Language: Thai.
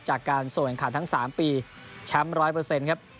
จากการโสเยงขัดทั้ง๓ปีแชมป์ร้อยเปอร์เซ็นต์ครับ